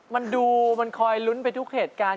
มันดูมันคอยลุ้นไปทุกเหตุการณ์